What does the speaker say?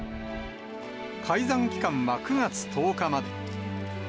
開山期間は９月１０日まで。